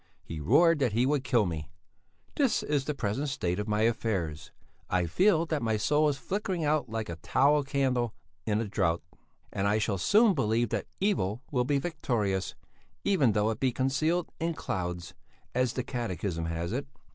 He roared that he would kill me. "This is the present state of my affairs. "I feel that my soul is flickering out like a tallow candle in a draught, and I shall soon believe that 'Evil will be victorious, even though it be concealed in clouds,' as the Catechism has it.